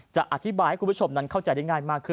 จะอธิบายให้คุณผู้ชมนั้นเข้าใจได้ง่ายมากขึ้น